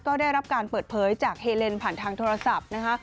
ก็ได้รับการเปิดเผยจากเฮเลนผ่านทางโทรศัพท์นะคะ